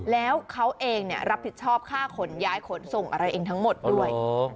แล้วเขาเองรับผิดชอบค่าขนย้ายขนส่งอะไรเองทั้งหมดด้วย